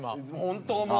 本当思う。